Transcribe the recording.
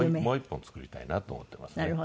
もう一本作りたいなと思ってますね。